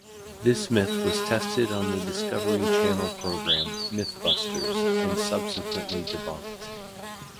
This myth was tested on the Discovery Channel program "MythBusters", and subsequently debunked.